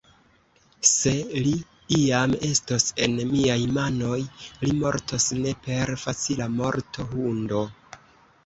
Se li iam estos en miaj manoj, li mortos ne per facila morto, hundo!